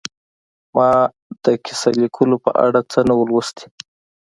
ما د کیسه لیکلو په اړه څه نه وو لوستي